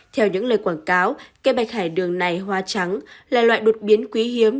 theo những lời quảng cáo cây bạch hải đường này hoa trắng là loại đột biến quý hiếm